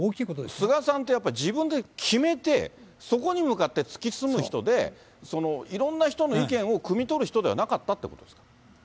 菅さんって結構自分で決めて、そこに向かって突き進む人で、いろんな人の意見をくみ取る人ではなかったということですか。